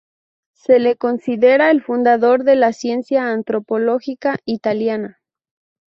Se lo considera el fundador de la ciencia antropológica italiana.